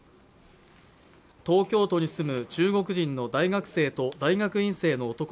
東京都に住む中国人の大学生と大学院生の男